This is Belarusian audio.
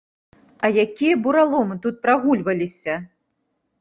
А якія бураломы тут прагульваліся!